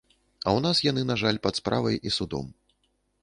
А ў нас яны, на жаль, пад справай і судом.